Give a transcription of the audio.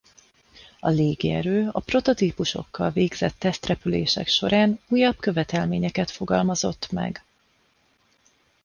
A légierő a prototípusokkal végzett tesztrepülések során újabb követelményeket fogalmazott meg.